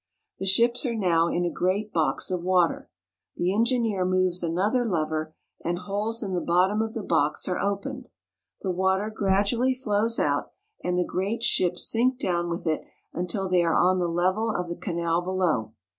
The ships are now in a great box of water. The engineer moves another lever, and holes in the bottom of the box are opened. The water gradually flows out, and the great ships sink down with it until they are on the level of the canal below.